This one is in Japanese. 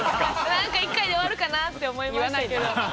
なんか１回で終わるかなって思いましたけど。